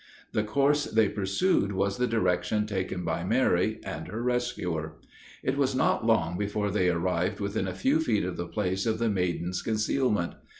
The course they pursued was the direction taken by Mary and her rescuer. It was not long before they arrived within a few feet of the place of the maiden's concealment.